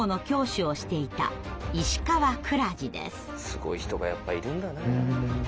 すごい人がやっぱりいるんだね。